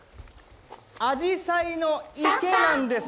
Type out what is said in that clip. あじさいの池なんです。